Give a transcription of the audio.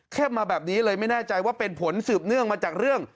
มาแบบนี้เลยไม่แน่ใจว่าเป็นผลสืบเนื่องมาจากเรื่อง